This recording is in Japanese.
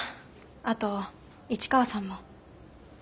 あと市川さんも。え？